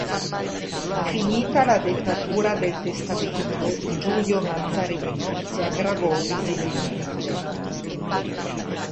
Finita la dettatura del testamento, Giulio Mazzarino si aggravò visibilmente.